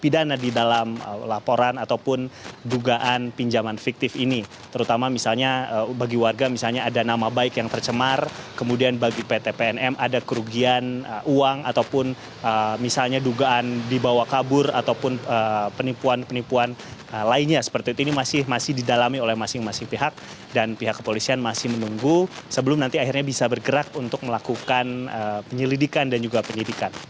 pidana di dalam laporan ataupun dugaan pinjaman fiktif ini terutama misalnya bagi warga misalnya ada nama baik yang tercemar kemudian bagi pt pnm ada kerugian uang ataupun misalnya dugaan dibawa kabur ataupun penipuan penipuan lainnya seperti itu ini masih didalami oleh masing masing pihak dan pihak kepolisian masih menunggu sebelum nanti akhirnya bisa bergerak untuk melakukan penyelidikan dan juga penyidikan